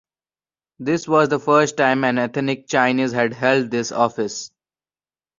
This was the first time an ethnic Chinese had held this office.